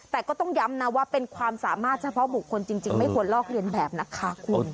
แต่ก็ต้องย้ำนะว่าเป็นความสามารถเฉพาะบุคคลจริงไม่ควรลอกเรียนแบบนะคะคุณ